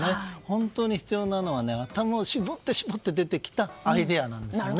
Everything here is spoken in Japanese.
本当に必要なのは頭を絞って絞って出てきたアイデアなんです。